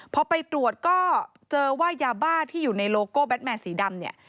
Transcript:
พอไปตรวจก็เจอว่ายาบ้าที่อยู่ในโลโก้แบทแมนสีดำเนี่ย